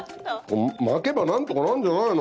巻けばなんとかなるんじゃないの？